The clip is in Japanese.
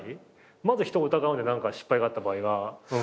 まず人を疑うんで何か失敗があった場合は。